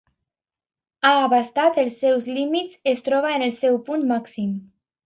Ha abastat els seus límits, es troba en el seu punt màxim.